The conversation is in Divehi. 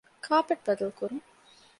ކާޕެޓް ބަދަލުކުރުން